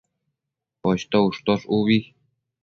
Poshto ushtosh ubi